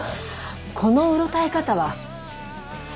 このうろたえ方はそうね。